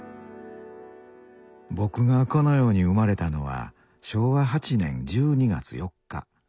僕がこの世に生まれたのは昭和８年１２月４日。